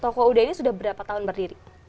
toko uda ini sudah berapa tahun berdiri